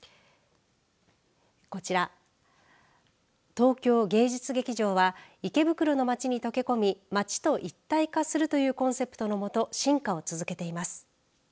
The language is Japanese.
こちら東京芸術劇場は池袋の街に溶け込み街と一体化するというコンセプトのもと進化を続けています。